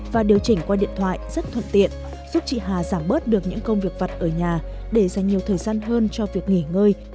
và điều chỉnh qua điện thoại rất thuận tiện giúp chị hà giảm bớt được những công việc vặt ở nhà để dành nhiều thời gian hơn cho việc nghỉ ngơi